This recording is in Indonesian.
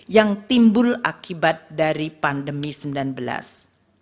yang timbul akibat dari pandemi covid sembilan belas